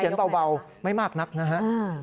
เสียงเสียงเบาไม่มากนักนะฮะ